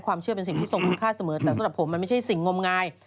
เชื่อเป็นสิ่งที่ทรงคุณค่าเสมอแต่สำหรับผมมันไม่ใช่สิ่งงมงาย